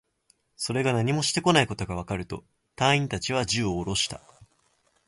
それが何もしてこないことがわかると、隊員達は銃をおろした